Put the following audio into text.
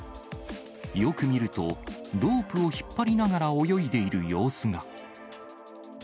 よく見ると、ロープを引っ張りながら泳いでいる様子が。